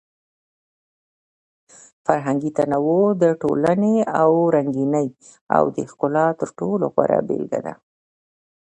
فرهنګي تنوع د ټولنې د رنګینۍ او د ښکلا تر ټولو غوره بېلګه ده.